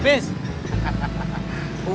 eh det umurnya sudah habis